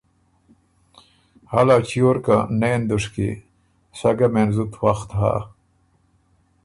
هلا چیور که نېن دُشکی، سۀ ګه مېن زُت وخت هۀ،